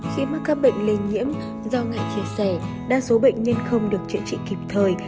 khi mắc các bệnh lây nhiễm do ngại chia sẻ đa số bệnh nhân không được chữa trị kịp thời